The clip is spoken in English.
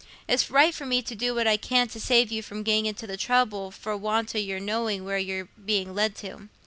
It's right for me to do what I can to save you from getting into trouble for want o' your knowing where you're being led to.